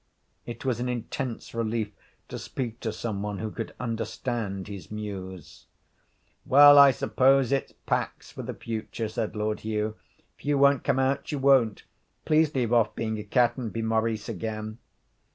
It was an intense relief to speak to some one who could understand his mews. 'Well, I suppose it's Pax for the future,' said Lord Hugh; 'if you won't come out, you won't. Please leave off being a cat and be Maurice again.'